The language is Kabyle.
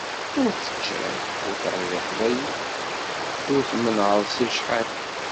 Ur teččiḍ ur terbiḥeḍ, ay ul, ur tmenεeḍ seg ccḥani.